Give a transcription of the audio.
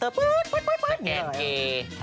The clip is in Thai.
สแกนเกย์